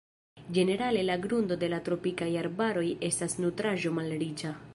Ĝenerale la grundo de la tropikaj arbaroj estas nutraĵo-malriĉa.